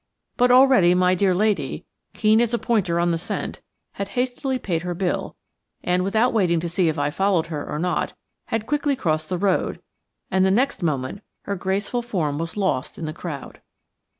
But already my dear lady, keen as a pointer on the scent, had hastily paid her bill, and, without waiting to see if I followed her or not, had quickly crossed the road, and the next moment her graceful form was lost in the crowd.